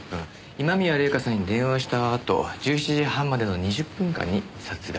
今宮礼夏さんに電話したあと１７時半までの２０分間に殺害された。